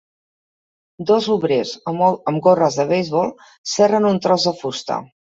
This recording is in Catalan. Dos obrers amb gorres de beisbol, serren un tros de fusta.